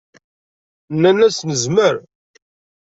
Nnan-as: Nezmer.